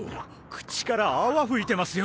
口から泡吹いてますよ。